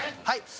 はい。